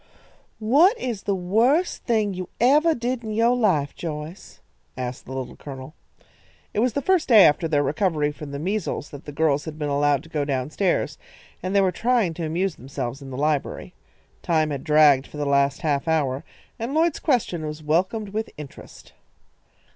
"What is the worst thing you evah did in yo' life, Joyce?" asked the Little Colonel. It was the first day after their recovery from the measles that the girls had been allowed to go down stairs, and they were trying to amuse themselves in the library. Time had dragged for the last half hour, and Lloyd's question was welcomed with interest.